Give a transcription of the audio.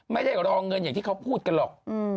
ไม่ได้รอเงินอย่างที่เขาพูดกันหรอก